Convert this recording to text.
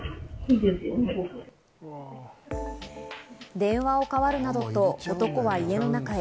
電話を代わるなどと男は家の中へ。